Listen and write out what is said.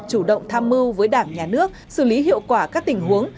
chủ động tham mưu với đảng nhà nước xử lý hiệu quả các tình huống